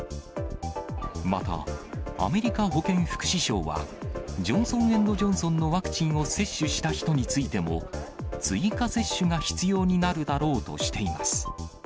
また、アメリカ保健福祉省は、ジョンソン・エンド・ジョンソンのワクチンを接種した人についても、追加接種が必要になるだろうとしています。